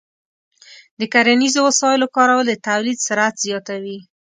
د کرنیزو وسایلو کارول د تولید سرعت زیاتوي.